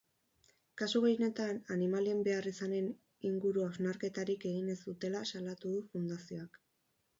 Kasu gehienetan, animalien beharrizanen inguru hausnarketarik egin ez dutela salatu du fundazioak.